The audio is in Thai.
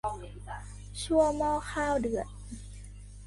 ชั่วหม้อข้าวเดือด